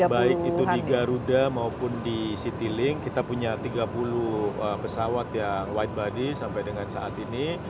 baik itu di garuda maupun di citylink kita punya tiga puluh pesawat yang white body sampai dengan saat ini